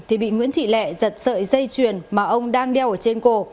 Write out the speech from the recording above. thì bị nguyễn thị lẹ giật sợi dây chuyền mà ông đang đeo ở trên cổ